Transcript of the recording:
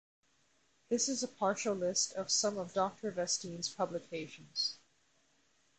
This is a partial list of some of Doctor Vestine's publications.